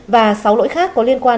và sáu lỗi khác có liên quan